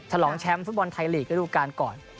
ฉลองแชมป์ฟุตบอลไทยลีกระดูกาลก่อน